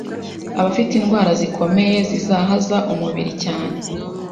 abafite indwara zikomeye zizahaza umubiri cyane